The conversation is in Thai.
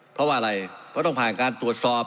เพราะว่าอะไรเพราะต้องผ่านการตรวจสอบ